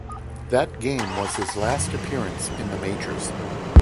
That game was his last appearance in the majors.